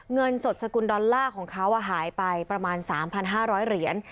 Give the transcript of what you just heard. เงินสดสกุลดอลลาร์ของเขาหายไปประมาณ๓๕๐๐เหรียญ